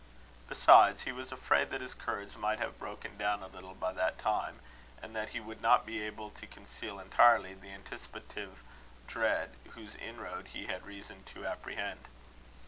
Besides, he was afraid that his courage might have broken down a little by that time, and that he would not be able to conceal entirely the anticipative dread, whose inroad he had reason to apprehend.